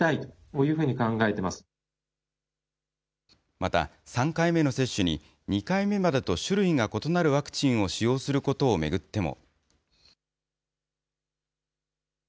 また、３回目の接種に、２回目までと種類が異なるワクチンを使用することを巡っても。